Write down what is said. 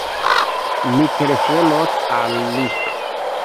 Mi telefonos al li.